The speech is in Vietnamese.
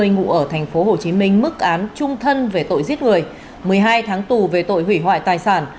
ngụ ở tp hcm mức án trung thân về tội giết người một mươi hai tháng tù về tội hủy hoại tài sản